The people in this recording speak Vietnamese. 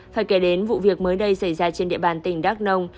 phải kể đến vụ việc mới đây xảy ra trên địa bàn tỉnh đắk nông